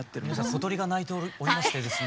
小鳥が鳴いておるおりましてですね。